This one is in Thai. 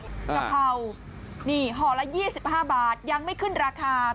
กะเพรานี่ห่อละ๒๕บาทยังไม่ขึ้นราคา